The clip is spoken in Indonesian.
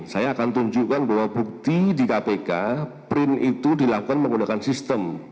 saya akan tunjukkan bahwa bukti di kpk print itu dilakukan menggunakan sistem